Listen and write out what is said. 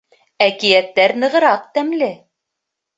Әкиәттәр нығыраҡ тәмле!